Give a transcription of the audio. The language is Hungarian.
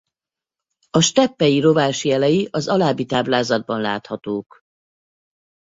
A steppei rovás jelei az alábbi táblázatban láthatók.